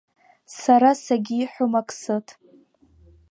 Сара сагьиҳәом ак сыҭ…